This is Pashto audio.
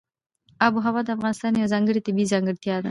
آب وهوا د افغانستان یوه ځانګړې طبیعي ځانګړتیا ده.